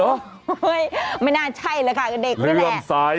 เฮ้ยไม่น่าใช่เลยก็เด็กนี่แหละ